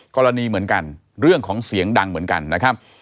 กรณีเหมือนกันเรื่องของเสียงดังเหมือนกันนะครับ